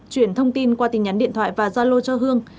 chuyển thông tin qua tin nhắn điện thoại và gia lô cho hương